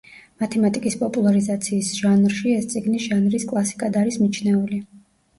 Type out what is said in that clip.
მათემატიკის პოპულარიზაციის ჟანრში ეს წიგნი ჟანრის კლასიკად არის მიჩნეული.